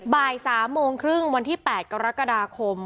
บ่าย๓โมงครึ่งวันที่๘กรกฎาคม